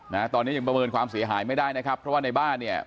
นะฮะตอนนี้ยังประเมินความเสียหายไม่ได้นะครับเพราะว่าในบ้านเนี่ย